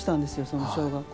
その小学校。